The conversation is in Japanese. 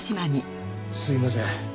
すみません。